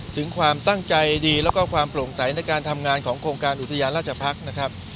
ถึงความตั้งใจดีแล้วก็ความโปร่งใสในการทำงานของโครงการอุทยานราชภักษ์นะครับ